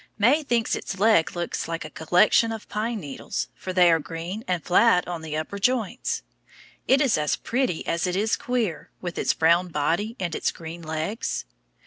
May thinks its legs look like a collection of pine needles, for they are green and flat on the upper joints. It is as pretty as it is queer, with its brown body and its green legs.